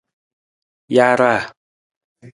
Jaaraa.